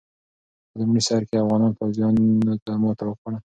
په لومړي سر کې افغاني پوځيانو ماته وخوړه.